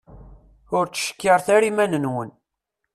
Ur ttcekkiret ara iman-nwen.